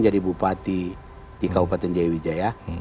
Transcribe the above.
jadi bupati di kabupaten jaya wijaya